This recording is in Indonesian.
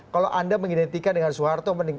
kalau anda mengidentikan dengan soeharto